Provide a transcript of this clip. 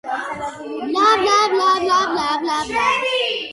სიმღერები სრულდება ქართულ, რუსულ, ინგლისურ და ესპანურ ენებზე.